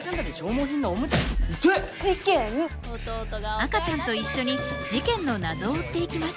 赤ちゃんと一緒に事件の謎を追っていきます。